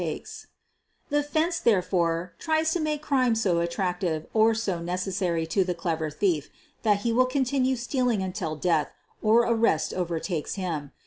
208 SOPHIE LYONS The "fence," therefore, tries to make crime so attractive or so necessary to the clever thief that he will continue stealing until death or arrest over takes him.